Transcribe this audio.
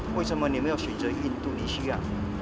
kenapa anda tidak memilih indonesia